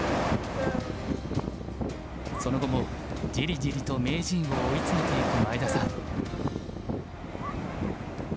その後もじりじりと名人を追い詰めていく前田さん。